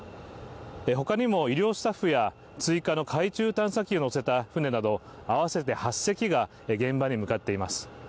他にも医療スタッフや追加の海中探査機を載せた船など合わせて８隻が現場に向かっています。